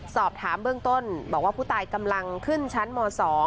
สอบถามเบื้องต้นบอกว่าผู้ตายกำลังขึ้นชั้นม๒